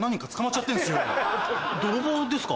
泥棒ですか？